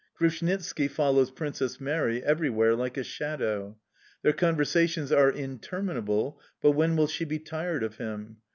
Grushnitski follows Princess Mary everywhere like a shadow. Their conversations are interminable; but, when will she be tired of him?...